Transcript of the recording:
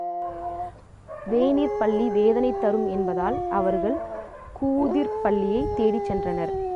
வேனிற்பள்ளி வேதனை தரும் என்பதால் அவர்கள் கூதிர்ப் பள்ளியைத் தேடிச் சென்றனர்.